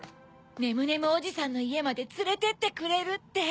ねむねむおじさんのいえまでつれてってくれるって！